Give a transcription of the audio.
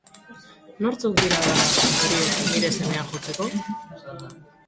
Nortzuk dira, bada, horiek, nire semea jotzeko?